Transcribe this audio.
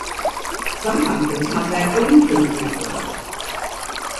Some countries have their own Food Network.